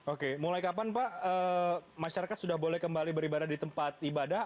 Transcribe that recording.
oke mulai kapan pak masyarakat sudah boleh kembali beribadah di tempat ibadah